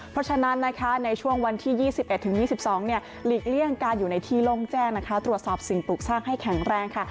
เพราะฉะนั้นนะคะในช่วงวันที่๒๑๒๒หลีกเลี่ยงการอยู่ในที่โล่งแจ้งนะคะตรวจสอบสิ่งปลูกสร้างให้แข็งแรงค่ะ